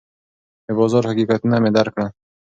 د بازار حقیقتونه مې درک کړل.